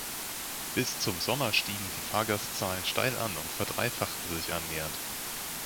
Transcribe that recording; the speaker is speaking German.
Bis zum Sommer stiegen die Fahrgastzahlen steil an und verdreifachten sich annähernd.